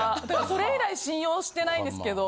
それ以来信用してないんですけど。